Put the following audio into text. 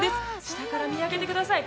下から見上げてください